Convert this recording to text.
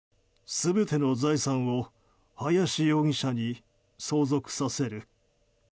全ての財産を林容疑者に相続させる。